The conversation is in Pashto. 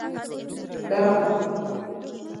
_درغله.